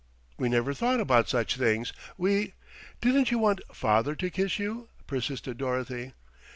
"We never thought about such things. We " "Didn't you want father to kiss you?" persisted Dorothy.